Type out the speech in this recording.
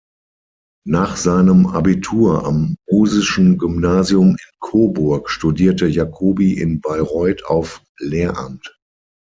Nach seinem Abitur am Musischen Gymnasium in Coburg studierte Jacobi in Bayreuth auf Lehramt.